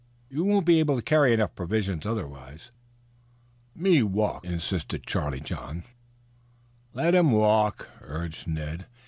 You won't be able to carry enough provisions otherwise." "Me walk," insisted Charlie John. "Let him walk," urged Ned.